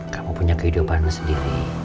kamu punya kehidupan sendiri